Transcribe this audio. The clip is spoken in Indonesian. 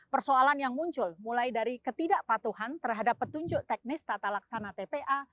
persoalan yang muncul mulai dari ketidakpatuhan terhadap petunjuk teknis tata laksana tpa